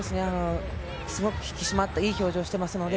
すごく引き締まったいい表情しています。